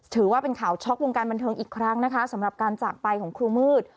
ถือว่าเป็นข่าวช็อกวงการบันเทิงอีกครั้งนะคะสำหรับการจากไปของครูมืด